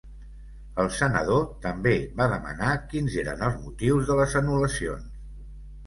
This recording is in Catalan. El senador també va demanar quins eren els motius de les anul·lacions.